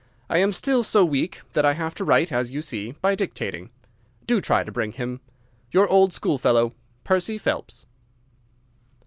I am still so weak that I have to write, as you see, by dictating. Do try to bring him. Your old schoolfellow, Percy Phelps.